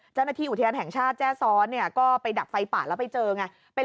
เจ้าหน้าที่อุทยานแห่งชาติแจ้ซ้อนเนี่ยก็ไปดับไฟป่าแล้วไปเจอไง